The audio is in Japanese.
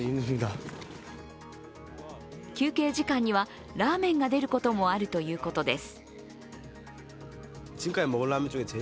休憩時間にはラーメンが出ることもあるということです。